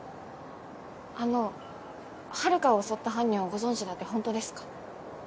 あの遥を襲った犯人をご存じだってホントですか？